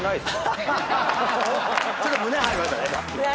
ちょっと胸張りましたね。